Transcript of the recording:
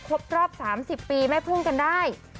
ครบรอบ๓๐ปีแม่พึ่งกันได้